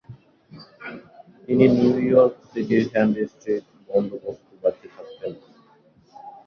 তিনি নিউইয়র্ক সিটির Henry street বন্দোবস্ত বাড়িতে থাকতেন।